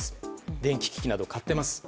電気機器など買っています。